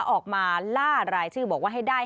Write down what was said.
ออกมาล่ารายชื่อบอกว่าให้ได้